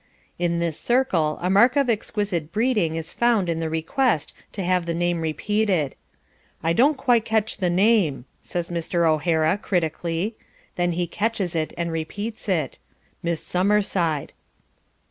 In this circle a mark of exquisite breeding is found in the request to have the name repeated. "I don't quite catch the name!" says Mr. O'Hara critically; then he catches it and repeats it "Miss Summerside."